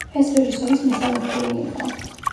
ეს რეჟისორის მესამე ფილმი იყო.